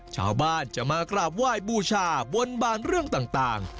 ชาวบ้านจะมากราบไหว้บูชาบนบานเรื่องต่าง